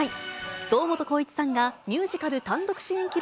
堂本光一さんがミュージカル単独主演記録